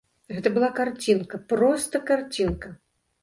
Гэта была карцінка, проста карцінка.